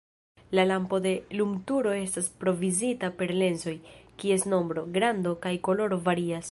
La lampo de lumturo estas provizita per lensoj, kies nombro, grando kaj koloro varias.